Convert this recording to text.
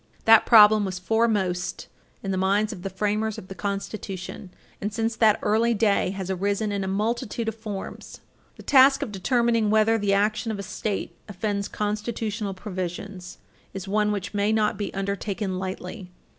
That problem was foremost in the minds of the framers of the Constitution, Page 334 U. S. 23 and, since that early day, has arisen in a multitude of forms. The task of determining whether the action of a State offends constitutional provisions is one which may not be undertaken lightly.